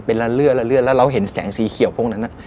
เป็นระเลือดแล้วเราเห็นแสงสีเขียวพวกนั้นน่ะ